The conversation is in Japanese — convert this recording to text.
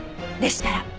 でしたら。